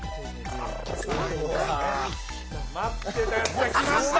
待ってたやつがきました。